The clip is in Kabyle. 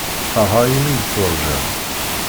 Feṛḥeɣ imi iyi-tuṛǧam.